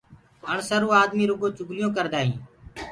اَڻسروُ آدمي رُگو چُگليونٚ ڪردآ هينٚ۔